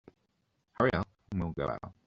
Hurry up and we'll go out.